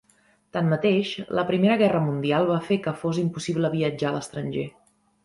Tanmateix, la Primera Guerra Mundial va fer que fos impossible viatjar a l'estranger.